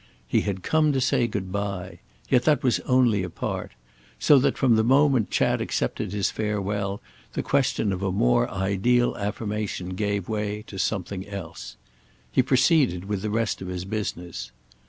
He had come to say good bye—yet that was only a part; so that from the moment Chad accepted his farewell the question of a more ideal affirmation gave way to something else. He proceeded with the rest of his business.